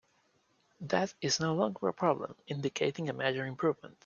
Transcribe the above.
That is no longer a problem, indicating a major improvement.